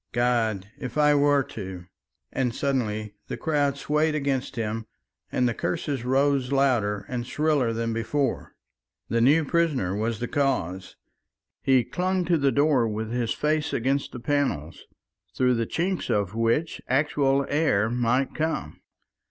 God! if I were to!" and suddenly the crowd swayed against him, and the curses rose louder and shriller than before. The new prisoner was the cause. He clung to the door with his face against the panels, through the chinks of which actual air might come.